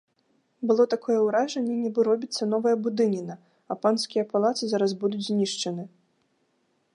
Было такое ўражанне, нібы робіцца новая будыніна, а панскія палацы зараз будуць знішчаны.